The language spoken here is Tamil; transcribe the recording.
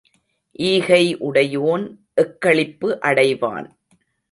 ஈகை உடையோன் எக்களிப்பு அடைவான்.